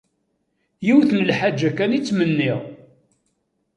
Yiwet n lḥaǧa kan i ttmenniɣ.